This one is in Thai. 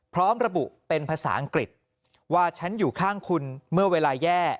พร้อมระบุเป็นภาษาอังกฤษว่าฉันอยู่ข้างคุณเมื่อเวลาแย่